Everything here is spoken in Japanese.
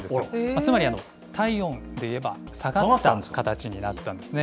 つまり体温でいえば、下がった形になったんですね。